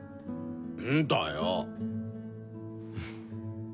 んだよ！